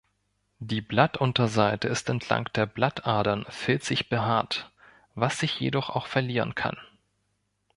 Die Blattunterseite ist entlang der Blattadern filzig behaart, was sich jedoch auch verlieren kann.